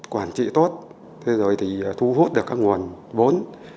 quản trị tốt thế rồi thì thu hút được các nguồn vốn